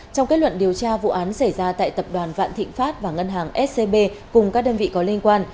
trong kết luận điều tra vụ án xảy ra tại tập đoàn vạn thịnh pháp và ngân hàng scb cùng các đơn vị có liên quan